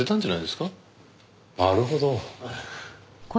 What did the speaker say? なるほど。